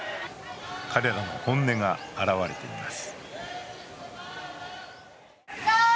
彼らの本音が表れています。